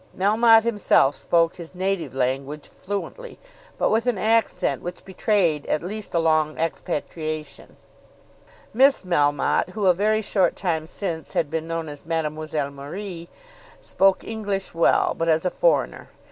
Melmotte himself spoke his "native" language fluently, but with an accent which betrayed at least a long expatriation. Miss Melmotte, who a very short time since had been known as Mademoiselle Marie, spoke English well, but as a foreigner.